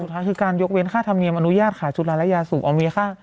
สุดท้ายคือการยกเว้นค่าธรรมเนียมอนุญาตขายจุฬาและยาสูงเอามีค่า